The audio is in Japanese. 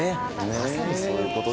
まさにそういうことです。